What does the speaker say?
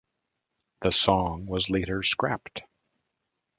The song was later scrapped.